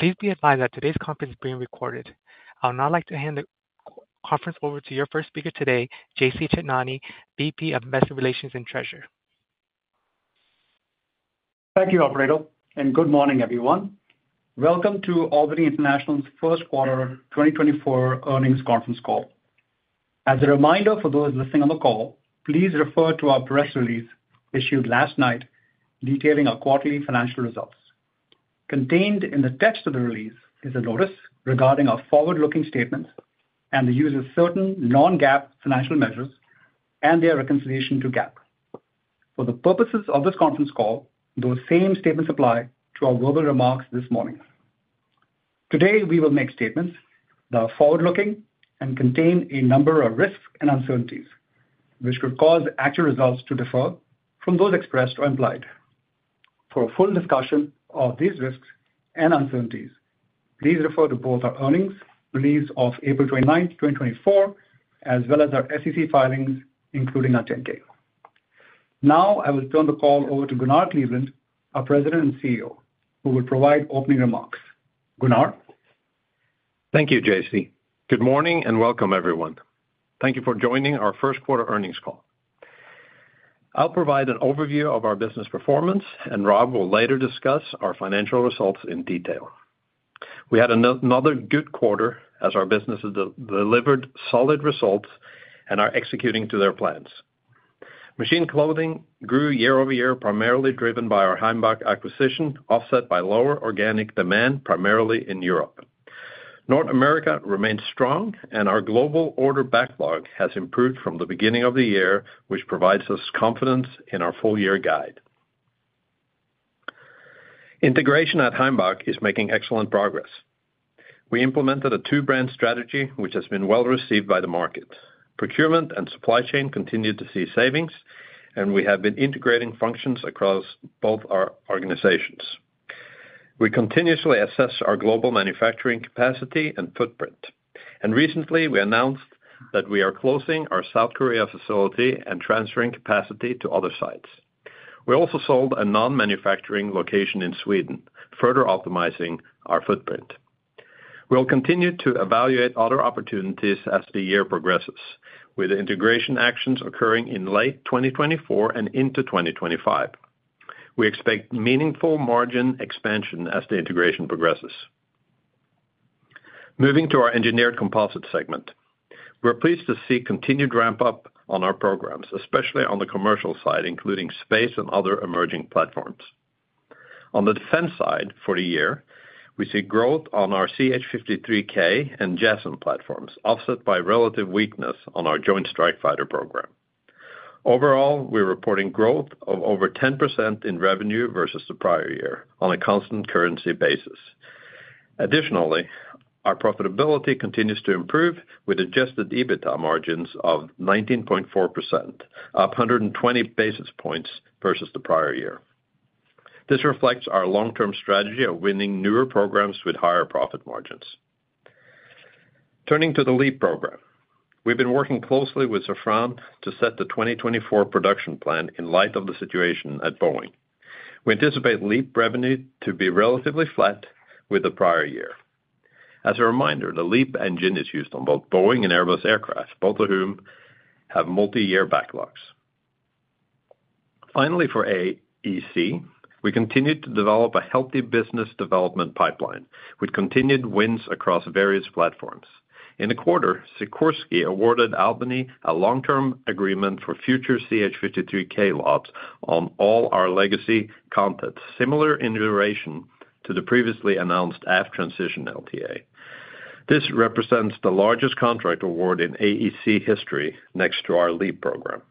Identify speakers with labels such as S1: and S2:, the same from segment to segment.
S1: Please be advised that today's conference is being recorded. I would now like to hand the conference over to your first speaker today, JC Chetnani, VP of Investor Relations and Treasurer.
S2: Thank you, operator, and good morning, everyone. Welcome to Albany International's first quarter 2024 earnings conference call. As a reminder for those listening on the call, please refer to our press release issued last night detailing our quarterly financial results. Contained in the text of the release is a notice regarding our forward-looking statements and the use of certain non-GAAP financial measures and their reconciliation to GAAP. For the purposes of this conference call, those same statements apply to our verbal remarks this morning. Today, we will make statements that are forward-looking and contain a number of risks and uncertainties, which could cause actual results to differ from those expressed or implied. For a full discussion of these risks and uncertainties, please refer to both our earnings release of April 29, 2024, as well as our SEC filings, including our 10-K. Now, I will turn the call over to Gunnar Kleveland, our President and CEO, who will provide opening remarks. Gunnar?
S3: Thank you, JC. Good morning, and welcome, everyone. Thank you for joining our first quarter earnings call. I'll provide an overview of our business performance, and Rob will later discuss our financial results in detail. We had another good quarter as our businesses delivered solid results and are executing to their plans. Machine Clothing grew year-over-year, primarily driven by our Heimbach acquisition, offset by lower organic demand, primarily in Europe. North America remains strong, and our global order backlog has improved from the beginning of the year, which provides us confidence in our full-year guide. Integration at Heimbach is making excellent progress. We implemented a two-brand strategy, which has been well received by the market. Procurement and supply chain continued to see savings, and we have been integrating functions across both our organizations. We continuously assess our global manufacturing capacity and footprint, and recently, we announced that we are closing our South Korea facility and transferring capacity to other sites. We also sold a non-manufacturing location in Sweden, further optimizing our footprint. We'll continue to evaluate other opportunities as the year progresses, with integration actions occurring in late 2024 and into 2025. We expect meaningful margin expansion as the integration progresses. Moving to our Engineered Composites segment. We're pleased to see continued ramp-up on our programs, especially on the commercial side, including space and other emerging platforms. On the defense side, for the year, we see growth on our CH-53K and JASSM platforms, offset by relative weakness on our Joint Strike Fighter program. Overall, we're reporting growth of over 10% in revenue versus the prior year on a constant currency basis. Additionally, our profitability continues to improve, with adjusted EBITDA margins of 19.4%, up 120 basis points versus the prior year. This reflects our long-term strategy of winning newer programs with higher profit margins. Turning to the LEAP program. We've been working closely with Safran to set the 2024 production plan in light of the situation at Boeing. We anticipate LEAP revenue to be relatively flat with the prior year. As a reminder, the LEAP engine is used on both Boeing and Airbus aircraft, both of whom have multiyear backlogs. Finally, for AEC, we continued to develop a healthy business development pipeline, with continued wins across various platforms. In the quarter, Sikorsky awarded Albany a long-term agreement for future CH-53K lots on all our legacy content, similar in duration to the previously announced Aft Transition LTA. This represents the largest contract award in AEC history next to our LEAP program.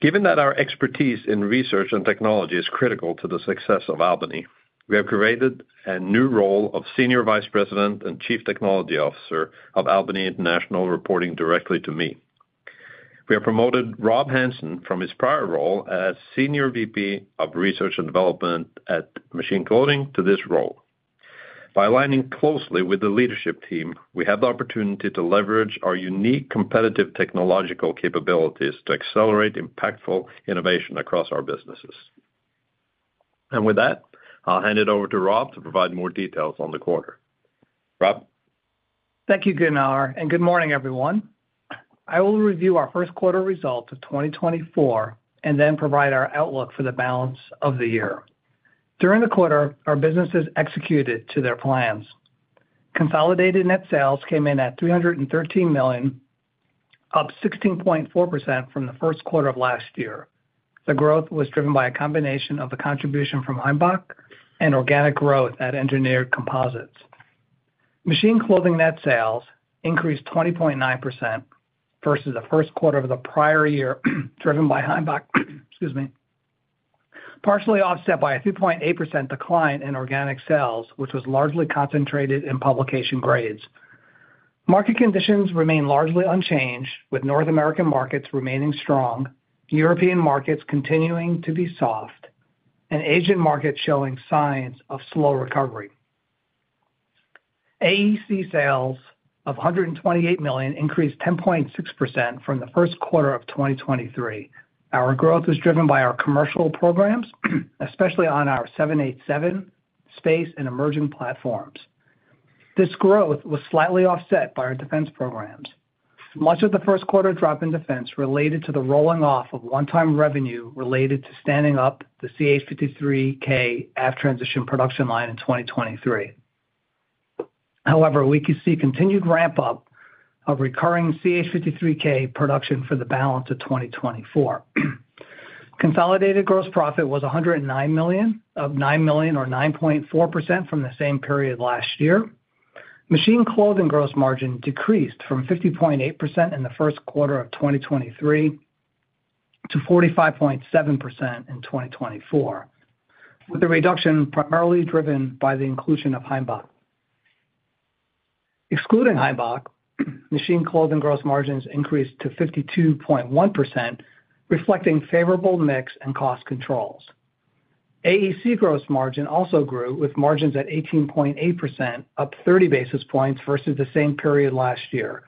S3: Given that our expertise in research and technology is critical to the success of Albany, we have created a new role of Senior Vice President and Chief Technology Officer of Albany International, reporting directly to me. We have promoted Rob Hansen from his prior role as Senior VP of Research and Development at Machine Clothing to this role. By aligning closely with the leadership team, we have the opportunity to leverage our unique competitive technological capabilities to accelerate impactful innovation across our businesses. And with that, I'll hand it over to Rob to provide more details on the quarter. Rob?
S4: Thank you, Gunnar, and good morning, everyone. I will review our first quarter results of 2024 and then provide our outlook for the balance of the year. During the quarter, our businesses executed to their plans. Consolidated net sales came in at $313 million, up 16.4% from the first quarter of last year. The growth was driven by a combination of the contribution from Heimbach and organic growth at Engineered Composites. Machine Clothing net sales increased 20.9% versus the first quarter of the prior year, driven by Heimbach. Excuse me. Partially offset by a 2.8% decline in organic sales, which was largely concentrated in publication grades. Market conditions remain largely unchanged, with North American markets remaining strong, European markets continuing to be soft, and Asian markets showing signs of slow recovery. AEC sales of $128 million increased 10.6% from the first quarter of 2023. Our growth was driven by our commercial programs, especially on our 787 program and emerging platforms. This growth was slightly offset by our defense programs. Much of the first quarter drop in defense related to the rolling off of one-time revenue related to standing up the CH-53K aft transition production line in 2023. However, we could see continued ramp-up of recurring CH-53K production for the balance of 2024. Consolidated gross profit was $109 million, up $9 million or 9.4% from the same period last year. Machine Clothing gross margin decreased from 50.8% in the first quarter of 2023 to 45.7% in 2024, with a reduction primarily driven by the inclusion of Heimbach. Excluding Heimbach, Machine Clothing gross margins increased to 52.1%, reflecting favorable mix and cost controls. AEC gross margin also grew, with margins at 18.8%, up 30 basis points versus the same period last year.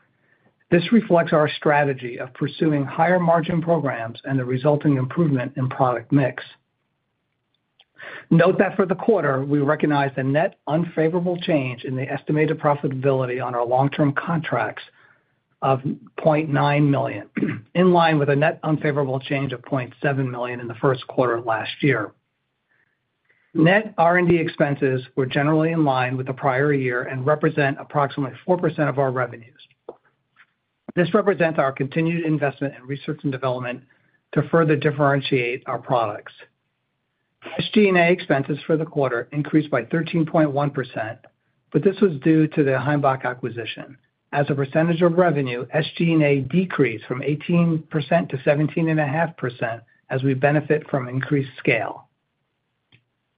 S4: This reflects our strategy of pursuing higher margin programs and the resulting improvement in product mix. Note that for the quarter, we recognized a net unfavorable change in the estimated profitability on our long-term contracts of $0.9 million, in line with a net unfavorable change of $0.7 million in the first quarter of last year. Net R&D expenses were generally in line with the prior year and represent approximately 4% of our revenues. This represents our continued investment in research and development to further differentiate our products. SG&A expenses for the quarter increased by 13.1%, but this was due to the Heimbach acquisition. As a percentage of revenue, SG&A decreased from 18% to 17.5% as we benefit from increased scale.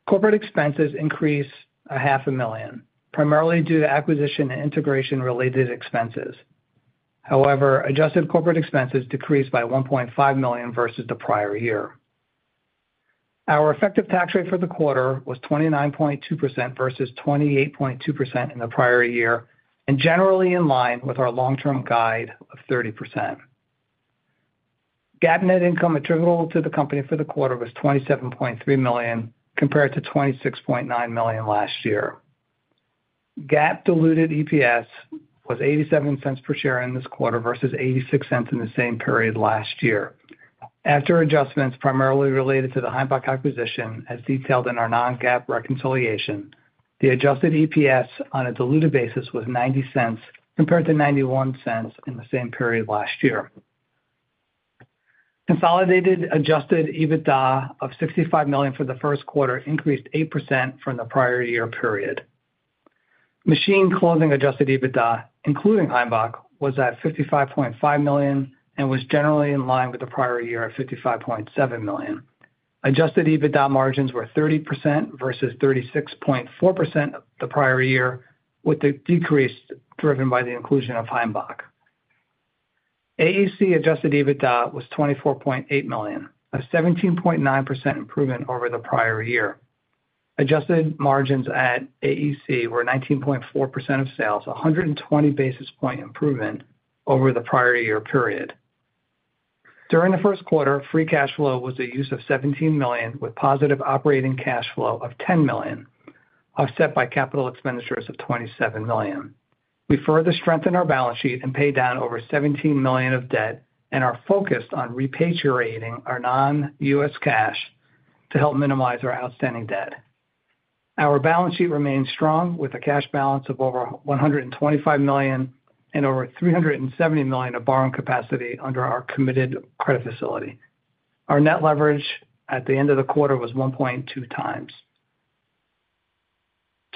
S4: Corporate expenses increased $500,000, primarily due to acquisition and integration-related expenses. However, adjusted corporate expenses decreased by $1.5 million versus the prior year. Our effective tax rate for the quarter was 29.2% versus 28.2% in the prior year, and generally in line with our long-term guide of 30%. GAAP net income attributable to the company for the quarter was $27.3 million, compared to $26.9 million last year. GAAP diluted EPS was $0.87 per share in this quarter versus $0.86 in the same period last year. After adjustments primarily related to the Heimbach acquisition, as detailed in our non-GAAP reconciliation, the adjusted EPS on a diluted basis was $0.90, compared to $0.91 in the same period last year. Consolidated adjusted EBITDA of $65 million for the first quarter increased 8% from the prior year period. Machine Clothing adjusted EBITDA, including Heimbach, was at $55.5 million and was generally in line with the prior year of $55.7 million. Adjusted EBITDA margins were 30% versus 36.4% the prior year, with the decrease driven by the inclusion of Heimbach. AEC adjusted EBITDA was $24.8 million, a 17.9% improvement over the prior year. Adjusted margins at AEC were 19.4% of sales, a 120 basis point improvement over the prior year period. During the first quarter, free cash flow was a use of $17 million, with positive operating cash flow of $10 million, offset by capital expenditures of $27 million. We further strengthened our balance sheet and paid down over $17 million of debt and are focused on repatriating our non-U.S. cash to help minimize our outstanding debt. Our balance sheet remains strong, with a cash balance of over $125 million and over $370 million of borrowing capacity under our committed credit facility. Our net leverage at the end of the quarter was 1.2 times.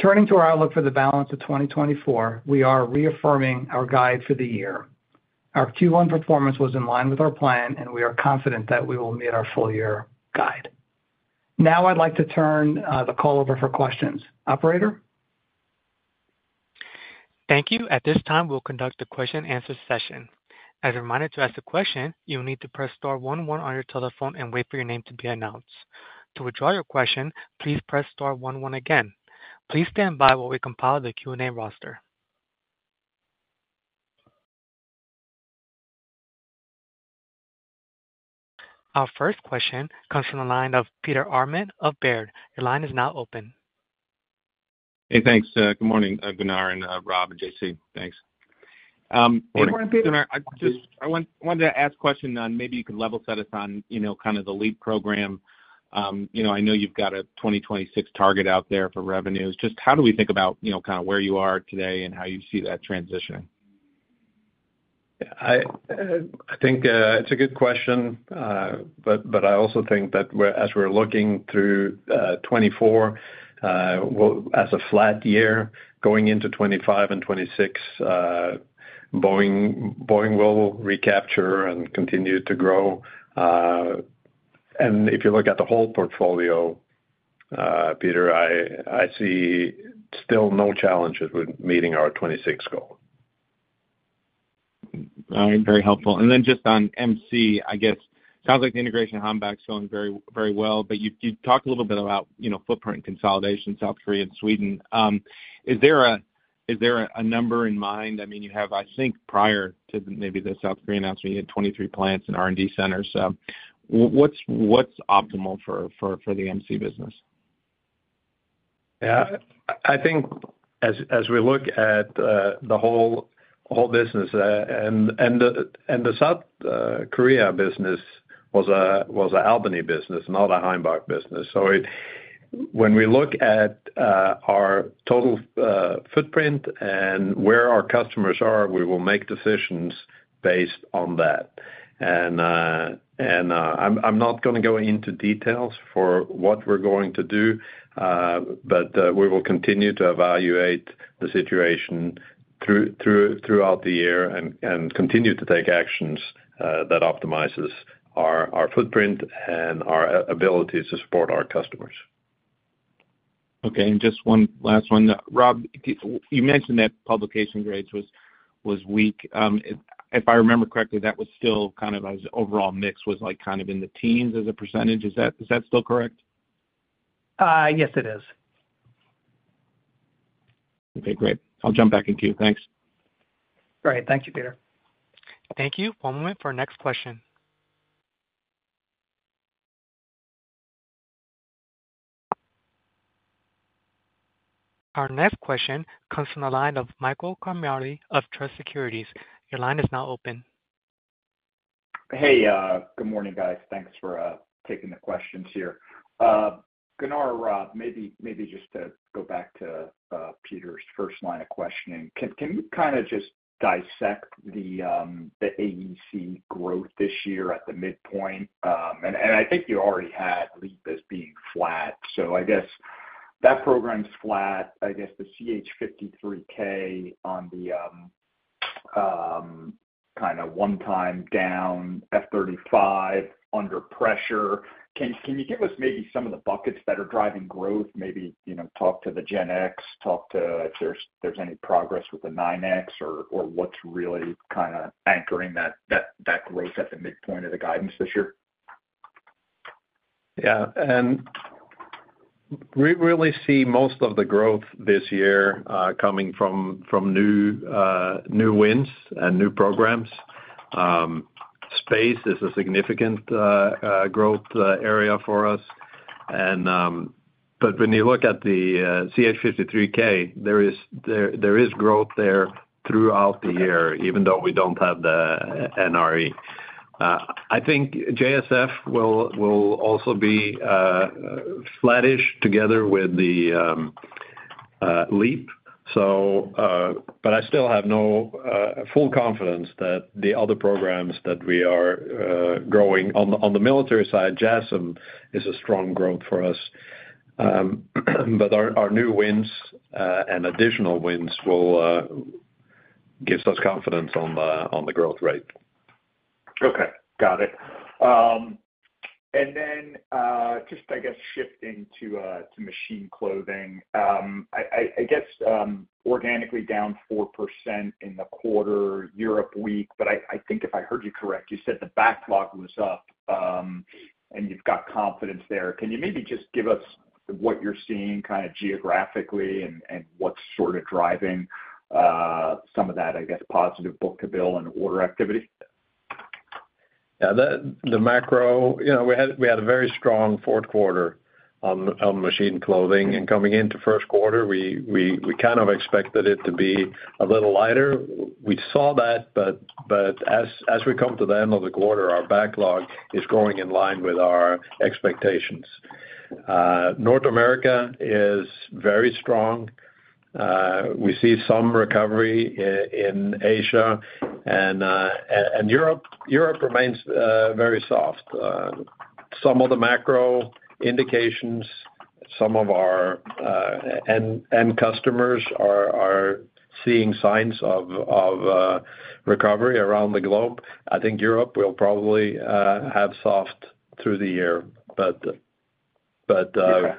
S4: Turning to our outlook for the balance of 2024, we are reaffirming our guide for the year. Our Q1 performance was in line with our plan, and we are confident that we will meet our full-year guide. Now I'd like to turn the call over for questions. Operator?
S1: Thank you. At this time, we'll conduct a question-and-answer session. As a reminder, to ask a question, you will need to press star one one on your telephone and wait for your name to be announced. To withdraw your question, please press star one one again. Please stand by while we compile the Q&A roster. Our first question comes from the line of Peter Arment of Baird. Your line is now open.
S5: Hey, thanks, good morning, Gunnar, and Rob, and JC. Thanks.
S4: Good morning, Peter.
S5: I wanted to ask a question. Maybe you could level set us on, you know, kind of the LEAP program. You know, I know you've got a 2026 target out there for revenues. Just how do we think about, you know, kind of where you are today and how you see that transitioning?
S3: I think it's a good question. But, but I also think that we're as we're looking through 2024, well, as a flat year, going into 2025 and 2026, Boeing, Boeing will recapture and continue to grow. And if you look at the whole portfolio, Peter, I, I see still no challenges with meeting our 2026 goal....
S5: All right, very helpful. And then just on MC, I guess, sounds like the integration of Heimbach is going very, very well, but you, you talked a little bit about, you know, footprint consolidation, South Korea, and Sweden. Is there a number in mind? I mean, you have, I think prior to maybe the South Korea announcement, you had 23 plants and R&D centers. So what's optimal for the MC business?
S3: Yeah, I think as we look at the whole business, and the South Korea business was a Albany business, not a Heimbach business. So when we look at our total footprint and where our customers are, we will make decisions based on that. And I'm not gonna go into details for what we're going to do, but we will continue to evaluate the situation throughout the year and continue to take actions that optimizes our footprint and our abilities to support our customers.
S5: Okay. And just one last one. Rob, you mentioned that publication grades was weak. If I remember correctly, that was still kind of as overall mix, was like kind of in the teens as a percentage. Is that still correct?
S6: Yes, it is.
S5: Okay, great. I'll jump back in queue. Thanks.
S1: Great. Thank you, Peter. Thank you. One moment for our next question. Our next question comes from the line of Michael Ciarmoli of Truist Securities. Your line is now open.
S7: Hey, good morning, guys. Thanks for taking the questions here. Gunnar, Rob, maybe just to go back to Peter's first line of questioning. Can you kind of just dissect the AEC growth this year at the midpoint? And I think you already had LEAP as being flat, so I guess that program's flat. I guess the CH-53K on the kind of one time down, F-35 under pressure. Can you give us maybe some of the buckets that are driving growth? Maybe, you know, talk to the GEnx, talk to if there's any progress with the 9X or what's really kind of anchoring that growth at the midpoint of the guidance this year.
S3: Yeah, and we really see most of the growth this year coming from new wins and new programs. Space is a significant growth area for us. But when you look at the CH-53K, there is growth there throughout the year, even though we don't have the NRE. I think JSF will also be flattish together with the LEAP. But I still have full confidence that the other programs that we are growing on the military side, JASSM, is a strong growth for us. But our new wins and additional wins will gives us confidence on the growth rate.
S7: Okay. Got it. And then, just, I guess, shifting to Machine Clothing. I guess organically down 4% in the quarter, Europe weak, but I think if I heard you correct, you said the backlog was up, and you've got confidence there. Can you maybe just give us what you're seeing kind of geographically and what's sort of driving some of that, I guess, positive book-to-bill and order activity?
S3: Yeah, the macro, you know, we had a very strong fourth quarter on Machine Clothing, and coming into first quarter, we kind of expected it to be a little lighter. We saw that, but as we come to the end of the quarter, our backlog is growing in line with our expectations. North America is very strong. We see some recovery in Asia and Europe. Europe remains very soft. Some of the macro indications, some of our end customers are seeing signs of recovery around the globe. I think Europe will probably have soft through the year, but.
S7: Okay...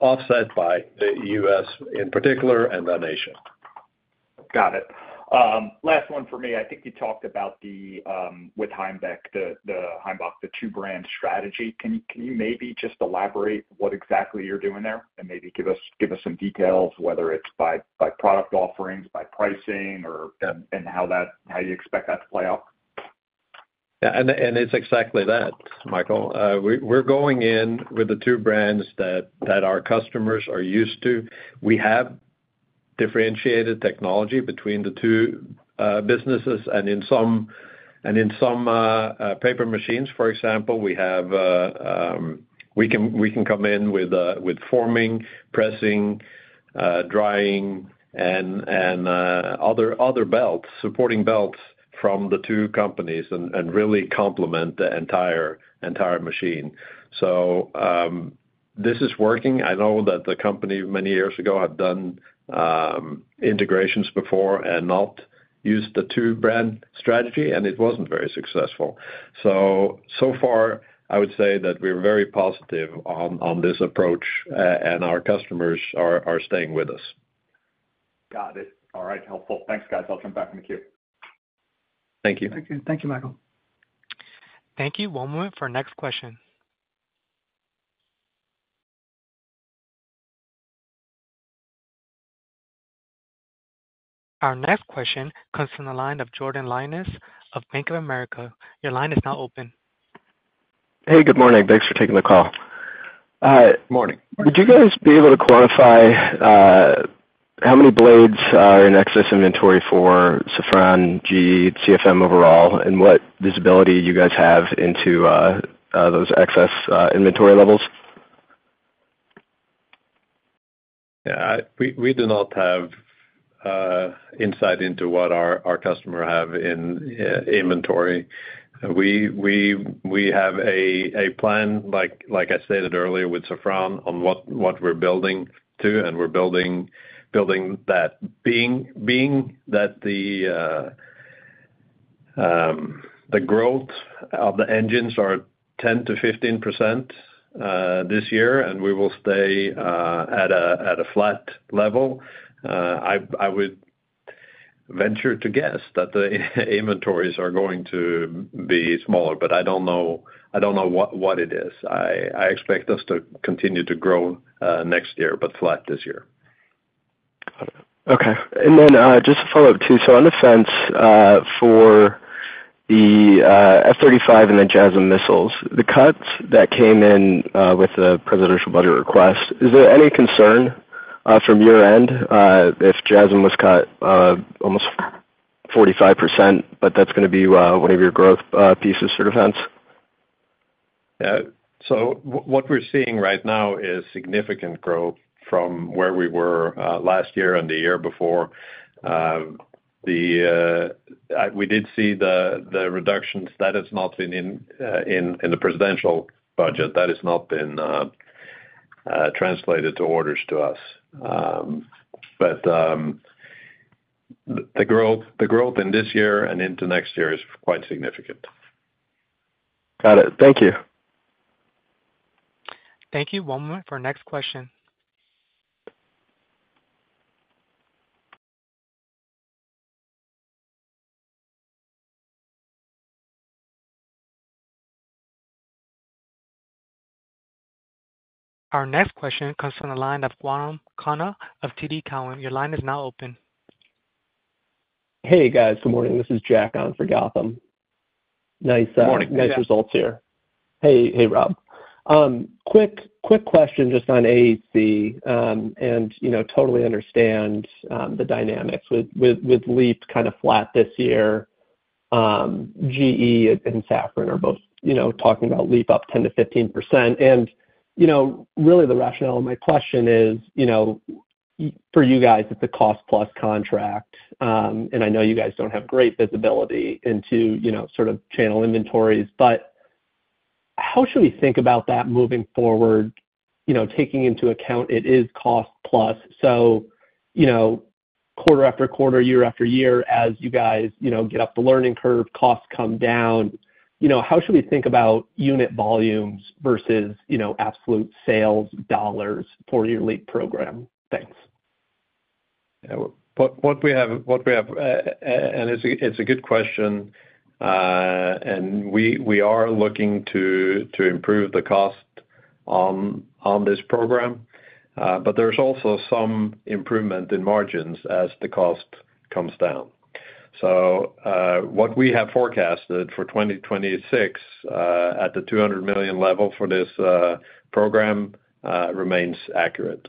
S3: offset by the U.S. in particular and by Asia.
S7: Got it. Last one for me. I think you talked about the with Heimbach, the Heimbach, the two-brand strategy. Can you maybe just elaborate what exactly you're doing there? And maybe give us some details, whether it's by product offerings, by pricing or and how you expect that to play out.
S3: Yeah, and it's exactly that, Michael. We're going in with the two brands that our customers are used to. We have differentiated technology between the two businesses and in some paper machines, for example, we can come in with forming, pressing, drying and other belts, supporting belts from the two companies and really complement the entire machine. So, this is working. I know that the company many years ago had done integrations before and not used the two-brand strategy, and it wasn't very successful. So far, I would say that we're very positive on this approach, and our customers are staying with us.
S7: Got it. All right. Helpful. Thanks, guys. I'll jump back in the queue.
S3: Thank you.
S1: Thank you. Thank you, Michael. Thank you. One moment for next question. Our next question comes from the line of Jordan Lyonnais of Bank of America. Your line is now open.
S8: Hey, good morning. Thanks for taking the call.
S3: Morning.
S8: Would you guys be able to quantify how many blades are in excess inventory for Safran, GE, CFM overall, and what visibility you guys have into those excess inventory levels?
S3: Yeah, we do not have insight into what our customer have in inventory. We have a plan, like I stated earlier, with Safran on what we're building to, and we're building that. Being that the growth of the engines are 10% to 15% this year, and we will stay at a flat level, I would venture to guess that the inventories are going to be smaller, but I don't know what it is. I expect us to continue to grow next year, but flat this year.
S8: Okay. And then, just to follow up too, so on defense for the F-35 and the JASSM missiles, the cuts that came in with the presidential budget request, is there any concern from your end if JASSM was cut almost 45%, but that's gonna be one of your growth pieces for defense?
S3: So what we're seeing right now is significant growth from where we were last year and the year before. We did see the reductions. That has not been in the presidential budget. That has not been translated to orders to us. But the growth in this year and into next year is quite significant.
S8: Got it. Thank you.
S1: Thank you. One moment for next question. Our next question comes from the line of Gautam Khanna of TD Cowen. Your line is now open.
S9: Hey, guys. Good morning. This is Jack on for Gautam.
S3: Morning.
S9: Nice, nice results here. Hey, hey, Rob. Quick, quick question just on AEC, and, you know, totally understand the dynamics with LEAP kind of flat this year. GE and Safran are both, you know, talking about LEAP up 10% to 15%. And, you know, really the rationale of my question is, you know, for you guys, it's a cost-plus contract, and I know you guys don't have great visibility into, you know, sort of channel inventories, but how should we think about that moving forward, you know, taking into account it is cost-plus? So, you know, quarter after quarter, year after year, as you guys, you know, get up the learning curve, costs come down, you know, how should we think about unit volumes versus, you know, absolute sales dollars for your LEAP program? Thanks.
S6: Yeah. What we have, and it's a good question. And we are looking to improve the cost on this program, but there's also some improvement in margins as the cost comes down. So, what we have forecasted for 2026, at the $200 million level for this program, remains accurate.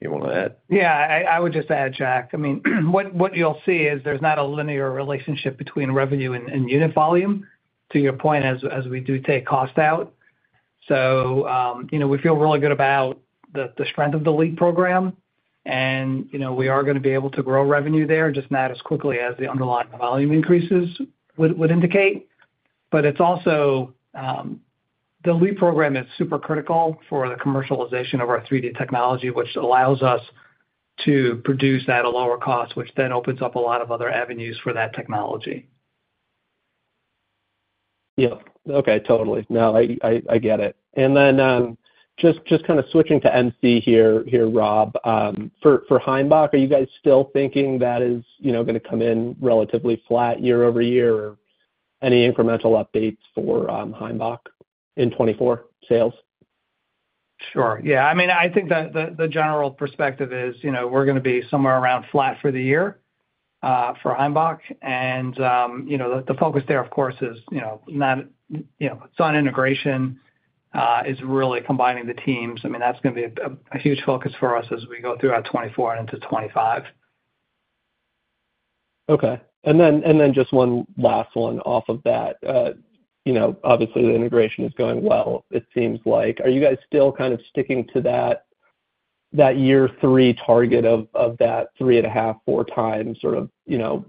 S6: You wanna add? Yeah, I would just add, Jack, I mean, what you'll see is there's not a linear relationship between revenue and unit volume, to your point, as we do take cost out. So, you know, we feel really good about the strength of the LEAP program, and, you know, we are gonna be able to grow revenue there, just not as quickly as the underlying volume increases would indicate.
S3: But it's also, the LEAP program is super critical for the commercialization of our 3D technology, which allows us to produce at a lower cost, which then opens up a lot of other avenues for that technology.
S9: Yeah. Okay, totally. No, I get it. And then, just kind of switching to MC here, Rob. For Heimbach, are you guys still thinking that is, you know, gonna come in relatively flat year-over-year, or any incremental updates for Heimbach in 2024 sales?
S6: Sure. Yeah. I mean, I think the general perspective is, you know, we're gonna be somewhere around flat for the year for Heimbach. You know, the focus there, of course, is, you know, it's on integration, is really combining the teams. I mean, that's gonna be a huge focus for us as we go throughout 2024 and into 2025.
S9: Okay. And then just one last one off of that. You know, obviously, the integration is going well, it seems like. Are you guys still kind of sticking to that year three target of that 3.5x to 4x sort of, you know,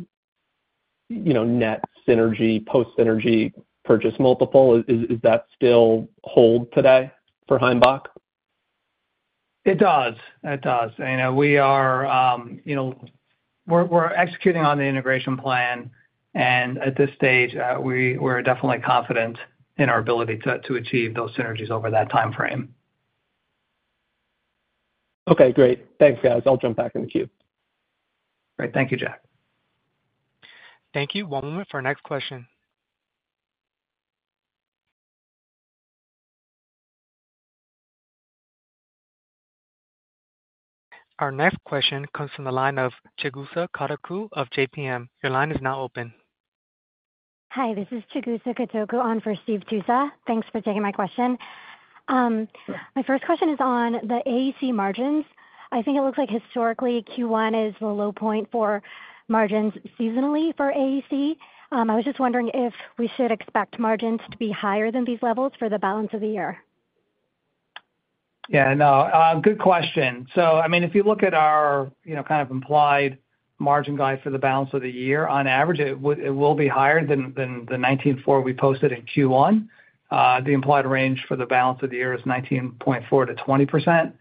S9: net synergy, post-synergy purchase multiple? Is that still hold today for Heimbach?
S6: It does. It does. You know, we are, you know, we're, we're executing on the integration plan, and at this stage, we're definitely confident in our ability to achieve those synergies over that timeframe....
S9: Okay, great. Thanks, guys. I'll jump back in the queue.
S4: Great. Thank you, Jack.
S1: Thank you. One moment for our next question. Our next question comes from the line of Chigusa Katoku of JPM. Your line is now open.
S10: Hi, this is Chigusa Katoku on for Steve Tusa. Thanks for taking my question. My first question is on the AEC margins. I think it looks like historically, Q1 is the low point for margins seasonally for AEC. I was just wondering if we should expect margins to be higher than these levels for the balance of the year.
S4: Yeah, no, good question. So I mean, if you look at our, you know, kind of implied margin guide for the balance of the year, on average, it will be higher than the 19.4 we posted in Q1. The implied range for the balance of the year is 19.4% to 20%.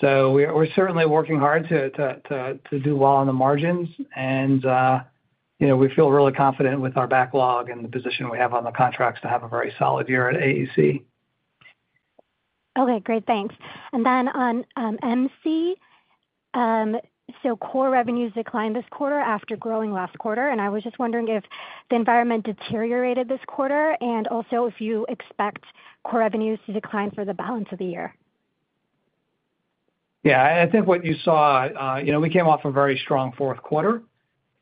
S4: So we're certainly working hard to do well on the margins, and, you know, we feel really confident with our backlog and the position we have on the contracts to have a very solid year at AEC.
S10: Okay, great, thanks. And then on MC, so core revenues declined this quarter after growing last quarter, and I was just wondering if the environment deteriorated this quarter, and also if you expect core revenues to decline for the balance of the year.
S4: Yeah, I think what you saw, you know, we came off a very strong fourth quarter,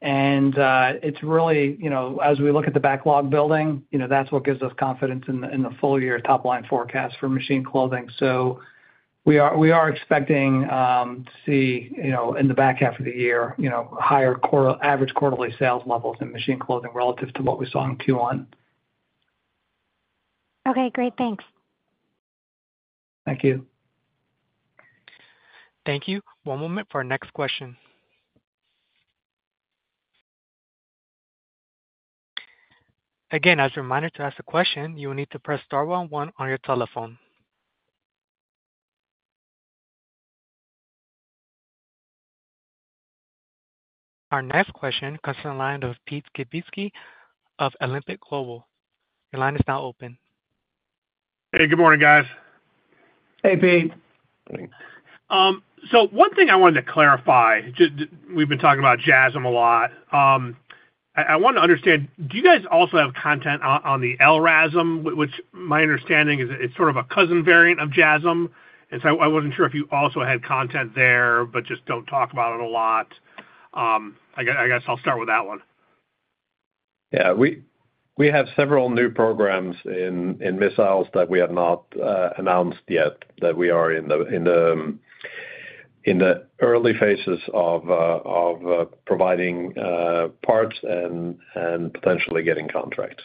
S4: and it's really, you know, as we look at the backlog building, you know, that's what gives us confidence in the full year top line forecast for Machine Clothing. So we are expecting to see, you know, in the back half of the year, you know, higher quarter-average quarterly sales levels in Machine Clothing relative to what we saw in Q1.
S10: Okay, great. Thanks.
S4: Thank you.
S1: Thank you. One moment for our next question. Again, as a reminder, to ask a question, you will need to press star one one on your telephone. Our next question comes from the line of Pete Skibitski of Alembic Global. Your line is now open.
S11: Hey, good morning, guys.
S4: Hey, Pete.
S11: So one thing I wanted to clarify, just—we've been talking about JASSM a lot. I want to understand, do you guys also have content on the LRASM? Which my understanding is it's sort of a cousin variant of JASSM, and so I wasn't sure if you also had content there, but just don't talk about it a lot. I guess I'll start with that one.
S3: Yeah, we have several new programs in missiles that we have not announced yet, that we are in the early phases of providing parts and potentially getting contracts.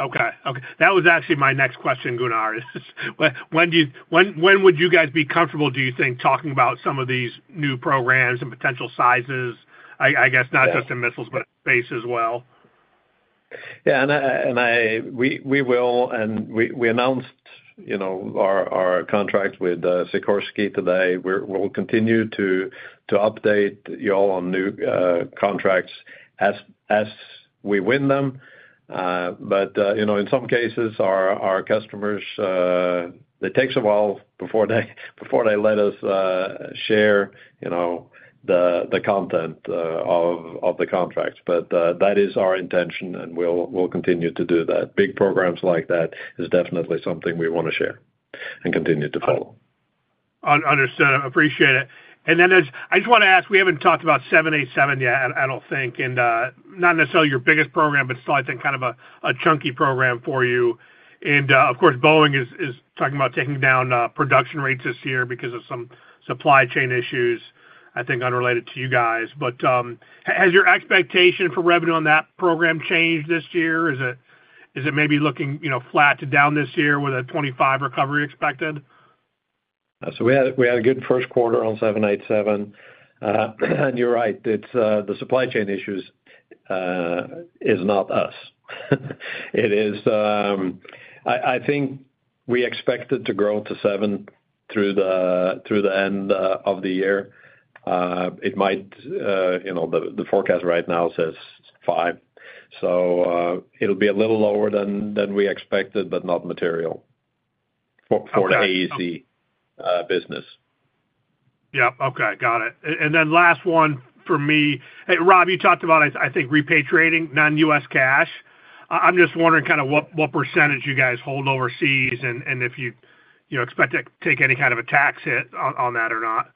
S11: Okay, that was actually my next question, Gunnar. When would you guys be comfortable, do you think, talking about some of these new programs and potential sizes? I guess not just in missiles, but space as well.
S3: Yeah, we will, and we announced, you know, our contract with Sikorsky today. We will continue to update you all on new contracts as we win them. But, you know, in some cases our customers, it takes a while before they let us share, you know, the content of the contract. But, that is our intention, and we'll continue to do that. Big programs like that is definitely something we wanna share and continue to follow.
S11: Understood. Appreciate it. And then there's... I just want to ask, we haven't talked about 787 yet, I don't think, and not necessarily your biggest program, but still I think kind of a chunky program for you. And, of course, Boeing is talking about taking down production rates this year because of some supply chain issues, I think unrelated to you guys. But has your expectation for revenue on that program changed this year? Is it maybe looking, you know, flat to down this year with a 2025 recovery expected?
S3: So we had a good first quarter on 787. And you're right, it's the supply chain issues is not us. It is. I think we expect it to grow to seven through the end of the year. It might, you know, the forecast right now says five, so it'll be a little lower than we expected, but not material-
S11: Okay.
S3: For the AEC business.
S11: Yep. Okay. Got it. And then last one from me. Hey, Rob, you talked about, I think, repatriating non-US cash. I'm just wondering kind of what percentage you guys hold overseas and if you, you know, expect to take any kind of a tax hit on that or not?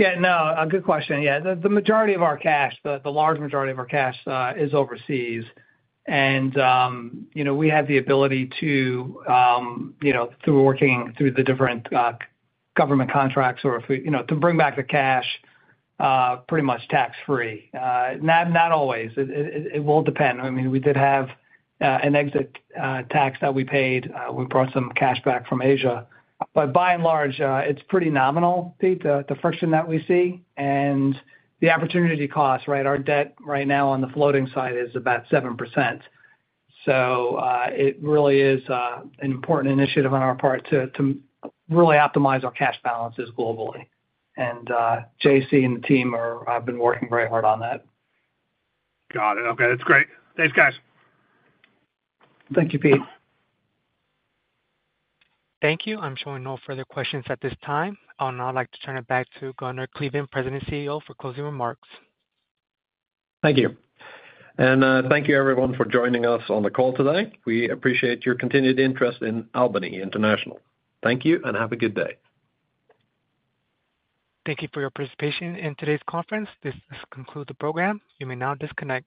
S4: Yeah, no, a good question. Yeah, the majority of our cash, the large majority of our cash, is overseas. And, you know, we have the ability to, you know, through working through the different government contracts or if we, you know, to bring back the cash, pretty much tax-free. Not always. It will depend. I mean, we did have an exit tax that we paid. We brought some cash back from Asia. But by and large, it's pretty nominal, Pete, the friction that we see and the opportunity cost, right? Our debt right now on the floating side is about 7%. So, it really is an important initiative on our part to really optimize our cash balances globally. JC and the team have been working very hard on that.
S11: Got it. Okay, that's great. Thanks, guys.
S4: Thank you, Pete.
S1: Thank you. I'm showing no further questions at this time. I would now like to turn it back to Gunnar Kleveland, President and CEO, for closing remarks.
S3: Thank you. And, thank you everyone for joining us on the call today. We appreciate your continued interest in Albany International. Thank you, and have a good day.
S1: Thank you for your participation in today's conference. This does conclude the program. You may now disconnect.